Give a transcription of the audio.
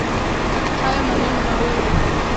Hayo maneno mawili